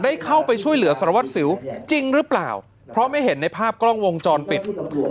ได้เข้าไปช่วยเหลือสารวัตรสิวจริงหรือเปล่าเพราะไม่เห็นในภาพกล้องวงจรปิด